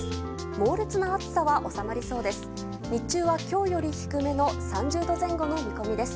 猛烈な暑さは収まりそうです。